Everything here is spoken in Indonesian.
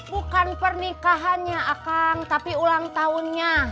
bukan pernikahannya akang tapi ulang tahunnya